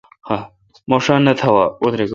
مہ ݭا نہ تھاوا۔